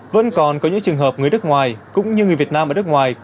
vẫn còn có những trường hợp người đất ngoài cũng như người việt nam ở đất ngoài